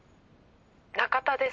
中田です。